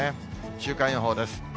週間予報です。